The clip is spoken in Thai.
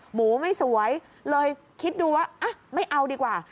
หมูไม่สวยเลยคิดดูว่าไม่เอาดีกว่า